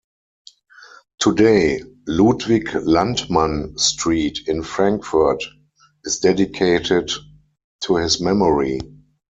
Today Ludwig Landmann Street in Frankfurt is dedicated to his memory.